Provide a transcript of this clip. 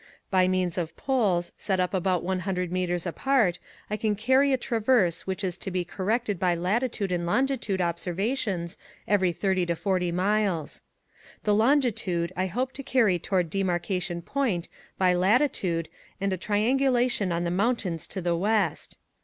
By means of poles set up about 100™ apart I can carry a traverse which is to be corrected by latitude and longi tude observations every 30 to 40 miles. The longitude I hope to carry toward Demarcation Point by latitude and a triangulation on the mountains to the west.